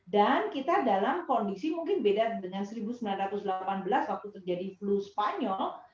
dan kita dalam kondisi mungkin beda dengan seribu sembilan ratus delapan belas waktu terjadi flu spanyol